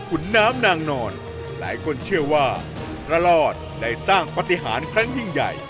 ุนน้ำนางนอนหลายคนเชื่อว่าพระรอดได้สร้างปฏิหารครั้งยิ่งใหญ่